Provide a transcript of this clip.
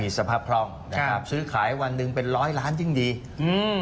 สภาพคล่องนะครับซื้อขายวันหนึ่งเป็นร้อยล้านยิ่งดีอืม